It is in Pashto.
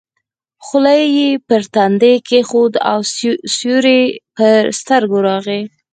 خولۍ یې پر تندي کېښوده او سیوری یې پر سترګو راغی.